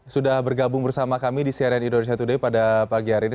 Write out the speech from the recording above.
sudah bergabung bersama kami di cnn indonesia today pada pagi hari ini